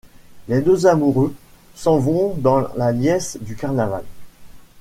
Les deux amoureux s'en vont dans la liesse du carnaval.